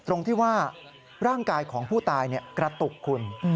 ตรงที่ว่าร่างกายของผู้ตายกระตุกคุณ